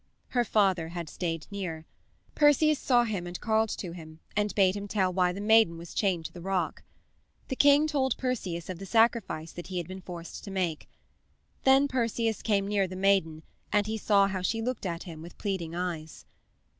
Her father had stayed near. Perseus saw him, and called to him, and bade him tell why the maiden was chained to the rock. The king told Perseus of the sacrifice that he had been forced to make. Then Perseus came near the maiden, and he saw how she looked at him with pleading eyes.